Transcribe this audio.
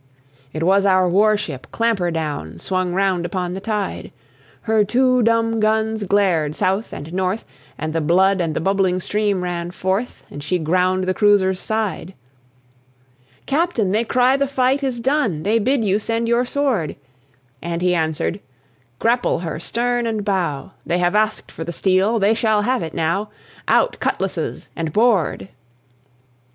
It was our war ship Clampherdown, Swung round upon the tide. Her two dumb guns glared south and north, And the blood and the bubbling steam ran forth, And she ground the cruiser's side. "Captain, they cry the fight is done, They bid you send your sword." And he answered, "Grapple her stern and bow. They have asked for the steel. They shall have it now; Out cutlasses and board!"